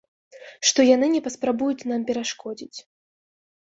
Што яны не паспрабуюць нам перашкодзіць.